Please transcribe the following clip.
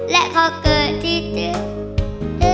และขอเกิดที่เจอเธอ